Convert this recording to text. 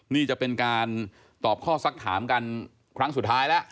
นี่จะเป็นการตอบข้อสักถามกันครั้งสุดท้ายแล้ว